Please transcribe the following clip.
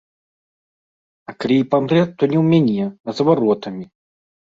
А калі і памрэ, то не ў мяне, а за варотамі.